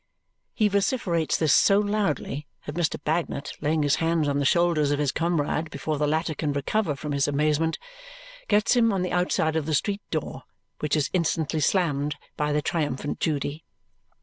He vociferates this so loudly that Mr. Bagnet, laying his hands on the shoulders of his comrade before the latter can recover from his amazement, gets him on the outside of the street door, which is instantly slammed by the triumphant Judy.